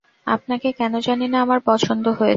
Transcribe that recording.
আপনাকে কেন জানি না আমার পছন্দ হয়েছে।